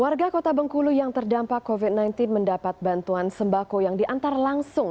warga kota bengkulu yang terdampak covid sembilan belas mendapat bantuan sembako yang diantar langsung